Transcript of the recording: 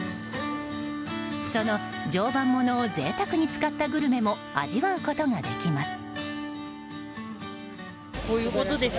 その常磐ものを贅沢に使ったグルメも味わうことができます。